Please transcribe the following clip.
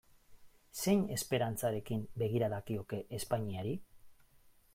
Zein esperantzarekin begira dakioke Espainiari?